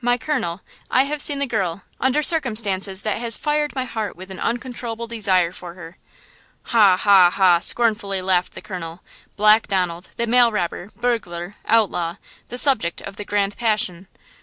"My colonel, I have seen the girl, under circumstances that has fired my heart with an uncontrollable desire for her." "Ha, ha, ha!" scornfully laughed the colonel. "Black Donald, the mail robber, burglar, outlaw, the subject of the grand passion!"